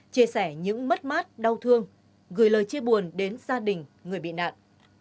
chia sẻ những mất mát đau thương gửi lời chia buồn đến gia đình người bị nạn